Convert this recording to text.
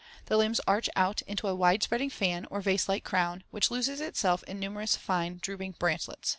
The limbs arch out into a wide spreading *fan or vase like crown* which loses itself in numerous fine drooping branchlets.